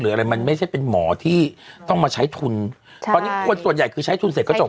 อะไรมันไม่ใช่เป็นหมอที่ต้องมาใช้ทุนตอนนี้คนส่วนใหญ่คือใช้ทุนเสร็จก็จบ